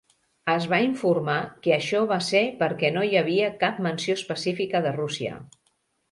Es va informar que això va ser perquè no hi havia cap menció especifica de Rússia.